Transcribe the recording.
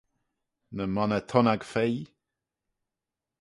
Ny monney thunnag feie.